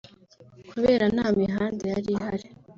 kubera nta mihanda yari ihari